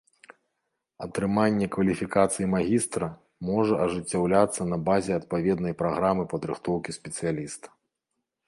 Атрыманне кваліфікацыі магістра можа ажыццяўляцца на базе адпаведнай праграмы падрыхтоўкі спецыяліста.